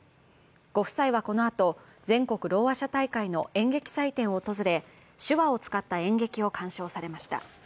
ご夫妻はこのあと全国ろうあ者大会の演劇祭典を訪れ手話を使った演劇を鑑賞されました。